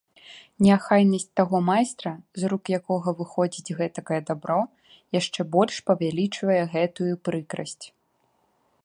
Неахайнасць таго майстра, з рук якога выходзіць гэтакае дабро, яшчэ больш павялічвае гэтую прыкрасць.